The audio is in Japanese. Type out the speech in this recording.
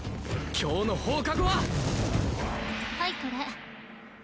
今日の放課後ははいこれ